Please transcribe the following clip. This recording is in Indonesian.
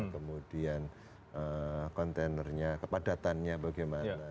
kemudian kontainernya kepadatannya bagaimana